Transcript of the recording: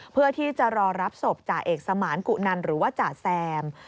เพื่อที่จะรอรับศพจ่าเอกสมานกุนันหรือว่าจ่าแซม